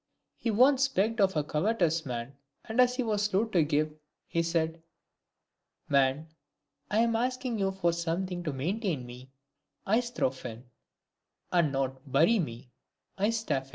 He once begged of a covetous man, and as he was slow to give, he said, " Man, I am asking you for something to maintain me (2/5 rgopqv and not to bury me (tig raprjv)."